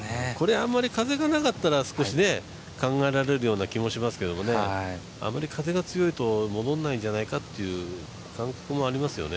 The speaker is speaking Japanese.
あんまり風がなかったら少し考えられるような気もしますけどね、あまり風が強いと戻らないんじゃないかという感覚もありますよね。